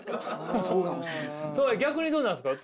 逆にどうなんですか？